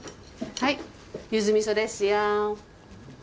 はいゆずみそですよ。